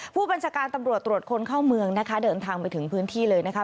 ผู้บัญชาการตำรวจตรวจคนเข้าเมืองนะคะเดินทางไปถึงพื้นที่เลยนะคะ